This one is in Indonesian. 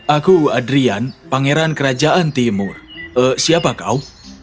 aku adrian pangeran kerajaan timur siapa kau